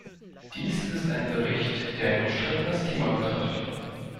Dies ist ein Bericht, der ein umstrittenes Thema betrifft.